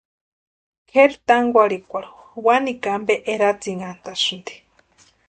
Kʼeri tankwarhikwarhu wanikwa ampe eratsinhantasïnti.